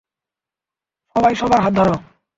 সবাই সবার হাত ধরো।